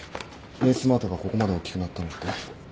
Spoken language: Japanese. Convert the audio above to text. エースマートがここまでおっきくなったのって。